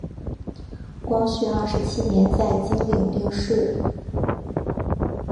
光绪二十七年在经岭病逝。